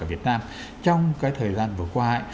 ở việt nam trong cái thời gian vừa qua